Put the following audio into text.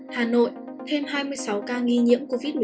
hà nội thêm hai mươi sáu ca nghi nhiễm covid một mươi chín